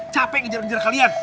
capek ngejar ngejar kalian